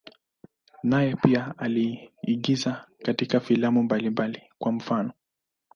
Naye pia aliigiza katika filamu mbalimbali, kwa mfano.